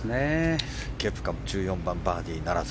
ケプカも１４番、バーディーならず。